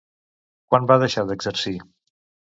Quan va deixar d'exercir?